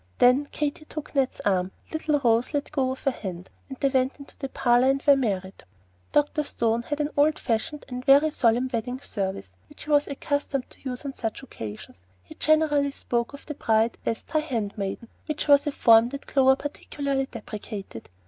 Then Katy took Ned's arm, little Rose let go her hand, and they went into the parlor and were married. Dr. Stone had an old fashioned and very solemn wedding service which he was accustomed to use on such occasions. He generally spoke of the bride as "Thy handmaiden," which was a form that Clover particularly deprecated.